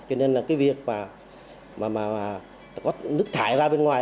cho nên là cái việc mà có nước thải ra bên ngoài